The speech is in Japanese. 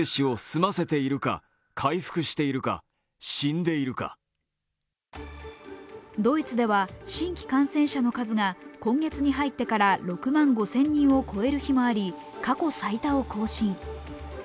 またドイツの地元メディアにはドイツでは新規感染者の数が今月に入ってから６万５０００人を超える日もあり、過去最多を更新。